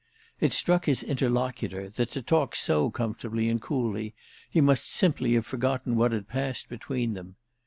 It struck his interlocutor that, to talk so comfortably and coolly, he must simply have forgotten what had passed between them.